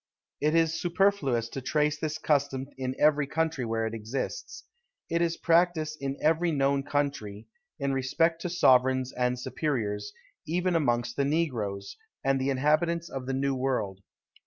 It is superfluous to trace this custom in every country where it exists. It is practised in every known country, in respect to sovereigns and superiors, even amongst the negroes, and the inhabitants of the New World.